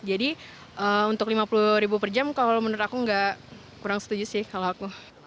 jadi untuk rp lima puluh per jam kalau menurut aku nggak kurang setuju sih kalau aku